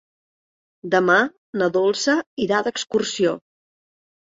Demà na Dolça irà d'excursió.